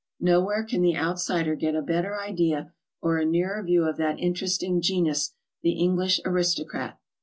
Nowhere can the outsider get a better idea or a nearer view of that interesting genus, the English aristocrat.